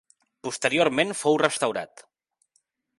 Posteriorment fou restaurat.